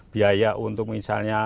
biaya untuk misalnya